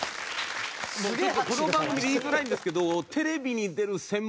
僕ちょっとこの番組で言いづらいんですけど。